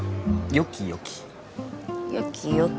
よきよき？